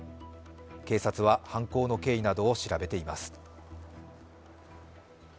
警察は犯行の経緯などを調べています。